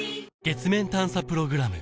月面探査プログラム